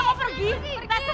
kau seperti yang terbaya